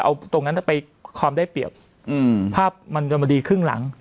เอาตรงนั้นไปความได้เปรียบภาพมันจะมาดีครึ่งหลัง